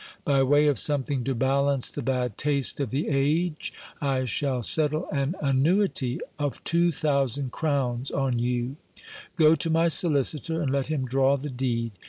By way of something to balance the bad taste of the age, I shall settle an annuity of two thousand crowns on you : go to my solicitor, and let him draw the deed.